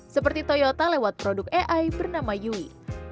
seperti toyota lewat produk ai bernama yui